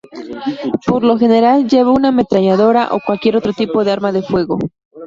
Por lo general lleva una ametralladora, o cualquier otro tipo de arma de fuego.